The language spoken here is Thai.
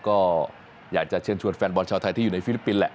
ก็อยากจะเชิญชวนแฟนบอลชาวไทยที่อยู่ในฟิลิปปินส์แหละ